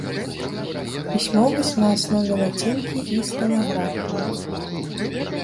Пісьмовасць на аснове лацінкі і стэнаграфіі.